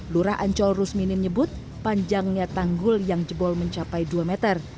lurah ancol rusminin menyebut panjangnya tanggul yang jebol mencapai dua meter